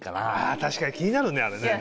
確かに気になるねあれね。